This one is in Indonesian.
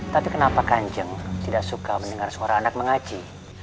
tapi kenapa kanjeng tidak suka mendengar suara anak mengaji